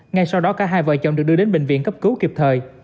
ngay sau đó cả hai vợ chồng được đưa đến bệnh viện cấp cứu kịp thời